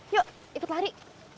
yuk ikut lari